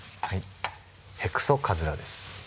ヘクソカズラです。